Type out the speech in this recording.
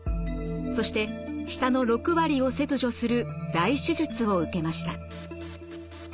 そして舌の６割を切除する大手術を受けました。